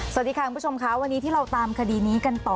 สวัสดีค่ะคุณผู้ชมค่ะวันนี้ที่เราตามคดีนี้กันต่อ